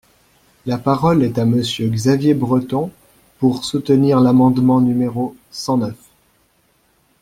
La parole est à Monsieur Xavier Breton, pour soutenir l’amendement numéro cent neuf.